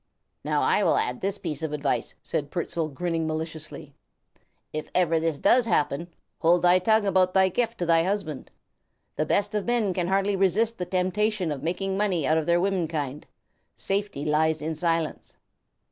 "Now I will add this piece of advice," said Pertzal, grinning maliciously. "If ever this does happen, hold thy tongue about thy gift to thy husband. The best of men can hardly resist the temptation of making money out of their womenkind, safety lies in silence."